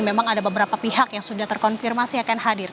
memang ada beberapa pihak yang sudah terkonfirmasi akan hadir